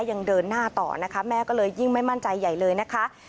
ยังเดินหน้าต่อนะคะแม่ก็เลยยิ่งไม่มั่นใจใหญ่เลยนะคะ